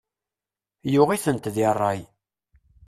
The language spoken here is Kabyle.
Yuɣ-itent di ṛṛay.